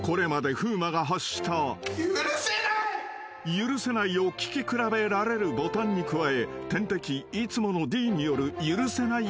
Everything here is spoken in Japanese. ［「許せない！」を聞き比べられるボタンに加え天敵いつものＤによる「許せない！」